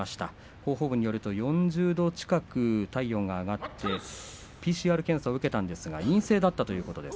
広報部によりますと４０度近く体温が上がってＰＣＲ検査を受けたんですが陰性だったということです。